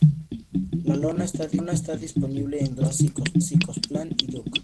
La lona está disponible en dos tipos básicos: plan y "duck".